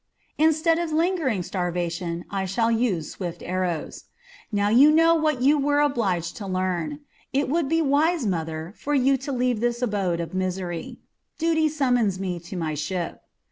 Instead of lingering starvation, I shall use swift arrows. Now you know what you were obliged to learn. It would be wise, mother, for you to leave this abode of misery. Duty summons me to my ship."